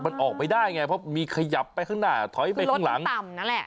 มันออกไปได้ไงเพราะมีขยับไปข้างหน้าถอยไปข้างหลังต่ำนั่นแหละ